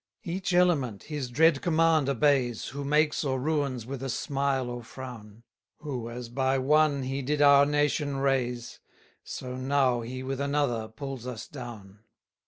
211 Each element His dread command obeys, Who makes or ruins with a smile or frown; Who, as by one he did our nation raise, So now he with another pulls us down.